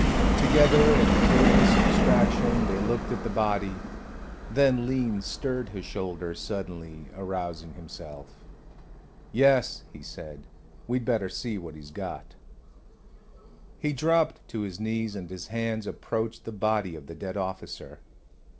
Together in curious abstraction they looked at the body. Then Lean stirred his shoulders suddenly, arousing himself. "Yes," he said, "we'd better see what he's got." He dropped to his knees, and his hands approached the body of the dead officer.